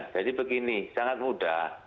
jadi begini sangat mudah